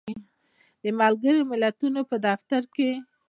د ملګری ملتونو په دفتر کې